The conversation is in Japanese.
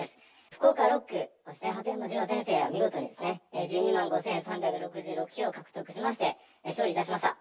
福岡６区、鳩山二郎先生が、見事に１２万５３６６票を獲得しまして、勝利いたしました。